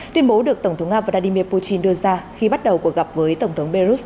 tuyên bố được tổng thống nga vladimir putin đưa ra khi bắt đầu cuộc gặp với tổng thống belarus